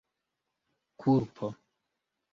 kulpo